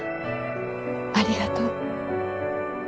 ありがとう。